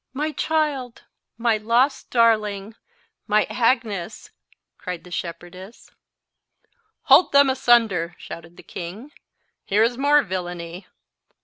"My child! my lost darling! my Agnes!" cried the shepherdess. "Hold them asunder," shouted the king. "Here is more villany!